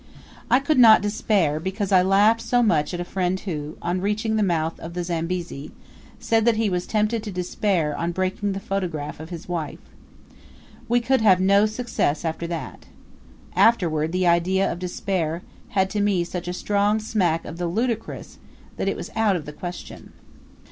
I could not despair, because I laughed so much at a friend who, on reaching the mouth of the Zambezi, said that he was tempted to despair on breaking the photograph of his wife. We could have no success after that. Afterward the idea of despair had to me such a strong smack of the ludicrous that it was out of the question.